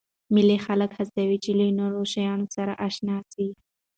مېلې خلک هڅوي، چي له نوو شیانو سره اشنا سي.